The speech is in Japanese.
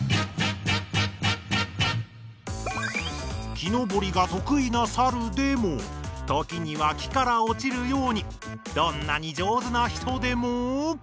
木のぼりが得意なサルでもときには木から落ちるようにどんなに上手な人でも？